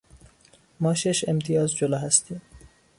ما شش امتیاز جلو هستیم.